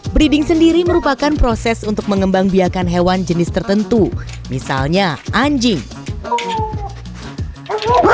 breeding sendiri merupakan proses untuk mengembang biakan hewan jenis tertentu misalnya anjing